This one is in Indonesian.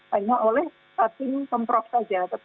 hanya oleh tim pemprov saja